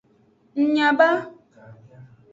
Ng nya ba.